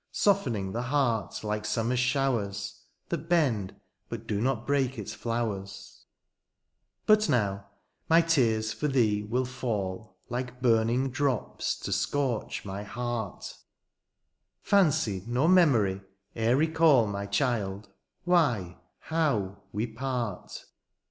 Softening the heart like summer's showers. That bend, but do not break its flowers. 1 72 THE MOTHER TO HER STARVING CHILD. But now^ my tears for thee will fall Like burning drops to scorch my heart; Fancy nor memory e'er recall^ My child, why, how, we part.